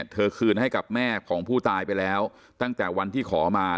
คืนให้กับแม่ของผู้ตายไปแล้วตั้งแต่วันที่ขอมา